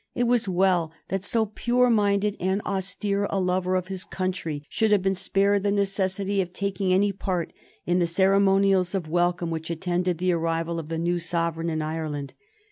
It was well that so pure minded and austere a lover of his country should have been spared the necessity of taking any part in the ceremonials of welcome which attended the arrival of the new Sovereign in Ireland.